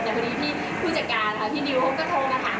แต่วันนี้พี่ผู้จัดการภีร์พี่ดิวพวกเขาโทรมาถาม